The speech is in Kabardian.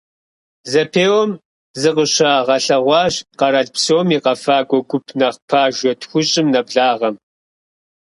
Зэпеуэм зыкъыщагъэлъэгъуащ къэрал псом и къэфакӏуэ гуп нэхъ пажэ тхущӏым нэблагъэм.